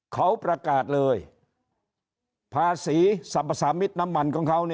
เขาประกาศเลยภาษีสรรพสามิตรน้ำมันของเขา